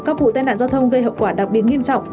các vụ tai nạn giao thông gây hậu quả đặc biệt nghiêm trọng